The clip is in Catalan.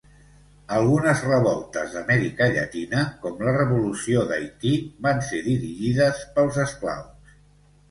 Algunes revoltes d'Amèrica Llatina, com la revolució d'Haití, van ser dirigides pels esclaus.